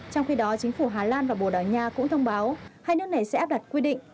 trong khi đó chính phủ hà lan và bồ đào nha cũng thông báo hai nước này sẽ áp đặt quy định